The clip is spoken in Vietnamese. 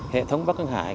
hệ thống bắc hưng hải